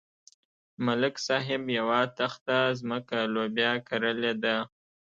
ملک صاحب یوه تخته ځمکه لوبیا کرلې ده.